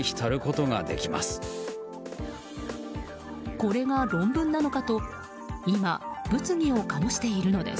これが論文なのかと今、物議を醸しているのです。